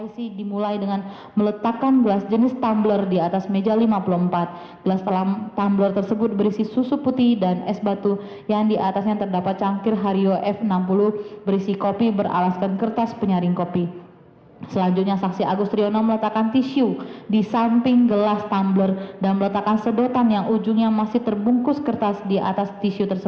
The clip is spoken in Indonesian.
cnn indonesia breaking news